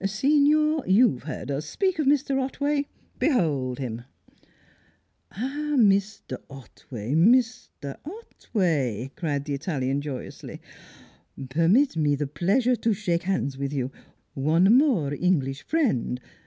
Signor, you've heard us speak of Mr. Otway. Behold him!" "Ah! Mr. Otway, Mr. Otway!" cried the Italian joyously. "Permit me the pleasure to shake hands with you! One more English friend!